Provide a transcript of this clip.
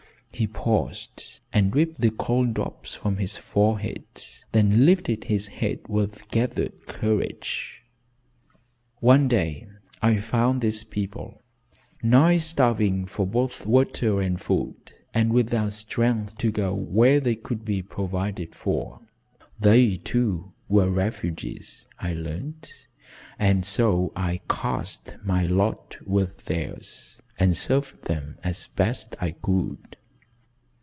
He paused and wiped the cold drops from his forehead, then lifted his head with gathered courage. "One day, I found these people, nigh starving for both water and food, and without strength to go where they could be provided for. They, too, were refugees, I learned, and so I cast my lot with theirs, and served them as best I could."